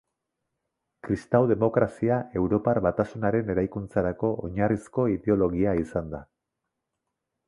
Kristau-demokrazia Europar Batasunaren eraikuntzarako oinarrizko ideologia izan da.